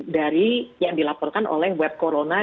dari yang dilaporkan oleh web corona